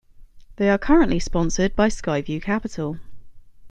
They are currently sponsored by Skyview Capital.